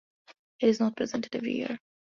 It is not presented every year.